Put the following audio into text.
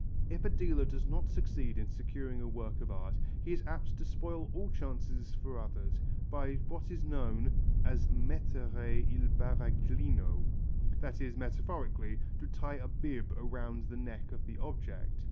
If a dealer does not succeed in securing a work of art he is apt to spoil all chances for others by what is known as mettere il bavaglino, that is, metaphorically, to tie a bib round the neck of the object.